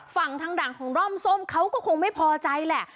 ฝั่งทางด่านของร่อมส้มเขาก็คงไม่พอใจแหละ